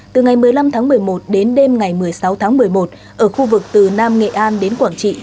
từ ngày một mươi năm tháng một mươi một đến đêm ngày một mươi sáu tháng một mươi một ở khu vực từ nam nghệ an đến quảng trị